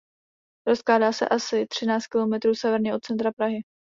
Rozkládá se asi třináct kilometrů severně od centra Prahy.